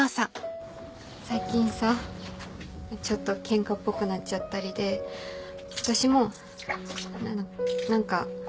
最近さちょっとケンカっぽくなっちゃったりで私も何かごめん。